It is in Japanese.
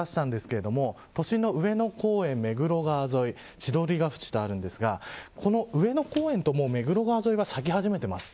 先週も少し出したんですけれども都心の上野公園、目黒川沿い千鳥ケ淵があるんですがこの上野公園と目黒川沿いが咲き始めています。